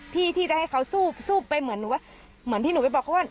ที่จะให้เขาสู้ไปเหมือนที่หนูไปบอกเขาว่า